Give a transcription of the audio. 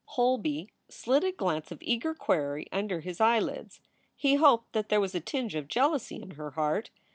Holby slid a glance of eager query under his eyelids. He hoped that there was a tinge of jealousy in her heart.